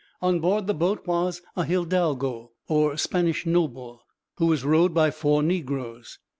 On board the boat was an hidalgo, or Spanish noble, who was rowed by four negroes.